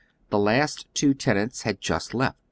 Tlie last two tenants had just left.